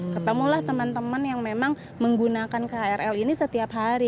ketemulah teman teman yang memang menggunakan krl ini setiap hari